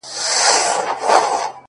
د درد د كړاوونو زنده گۍ كي يو غمى دی،